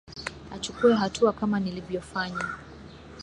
achukue hatua kama nilivyofanya